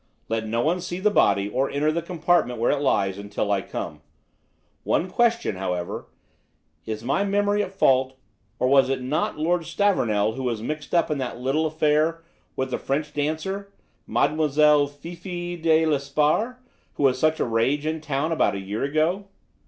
Let no one see the body or enter the compartment where it lies until I come. One question, however: is my memory at fault, or was it not Lord Stavornell who was mixed up in that little affair with the French dancer, Mademoiselle Fifi de Lesparre, who was such a rage in town about a year ago?"